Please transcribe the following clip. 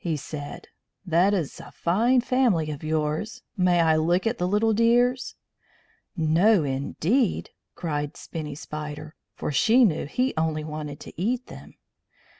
he said. "That is a fine family of yours. May I look at the little dears?" "No, indeed!" cried Spinny Spider, for she knew he only wanted to eat them.